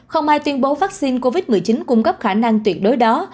không ai tuyên bố vaccine covid một mươi chín cung cấp khả năng tuyệt đối đó